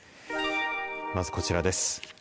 まずこちらです。